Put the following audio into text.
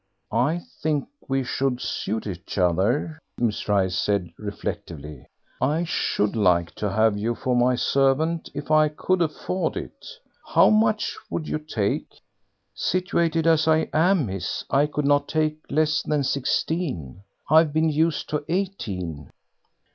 "I think we should suit each other," Miss Rice said reflectively. "I should like to have you for my servant if I could afford it. How much would you take?" "Situated, as I am, miss, I could not take less than sixteen. I've been used to eighteen."